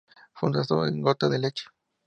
Fundación Gota de Leche